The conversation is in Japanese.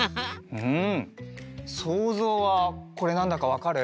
うんそうぞうはこれなんだかわかる？